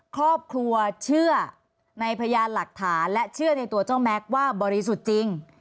ครอบครัวเชื่อในพยานหลักฐานและเชื่อในตัวเจ้าแม็กซ์ว่าบริสุทธิ์จริง